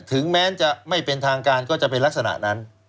ถึงแม้จะไม่เป็นทางการก็จะเป็นลักษณะนั้น